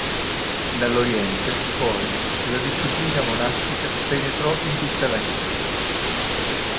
Dall'oriente, poi, la disciplina monastica penetrò in tutta la Chiesa.